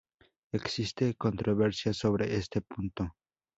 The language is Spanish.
Existe controversia sobre este punto.